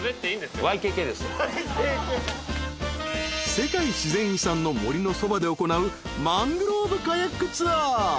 ［世界自然遺産の森のそばで行うマングローブカヤックツアー］